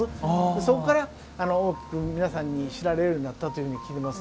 そこから大きく皆さんに知られるようになったと聞いています。